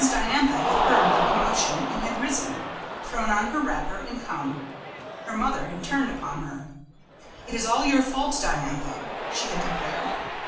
Diantha had heard the commotion, and had risen, thrown on her wrapper, and come. Her mother had turned upon her. "It is all your fault, Diantha," she had declared.